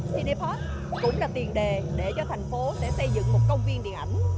phim công cộng cinepod cũng là tiền đề để cho thành phố sẽ xây dựng một công viên điện ảnh